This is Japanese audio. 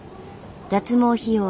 脱毛費用